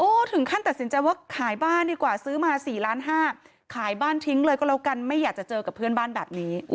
ถึงขั้นตัดสินใจว่าขายบ้านดีกว่าซื้อมา๔ล้านห้าขายบ้านทิ้งเลยก็แล้วกันไม่อยากจะเจอกับเพื่อนบ้านแบบนี้